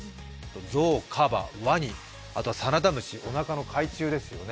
ゾウ、カバ、ワニ、あとはサナダムシ、おなかの回虫ですよね。